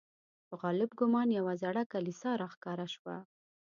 په غالب ګومان یوه زړه کلیسا را ښکاره شوه.